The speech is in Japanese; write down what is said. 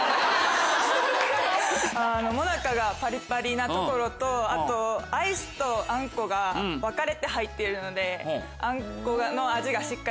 なところとあとアイスとあんこが分かれて入っているので。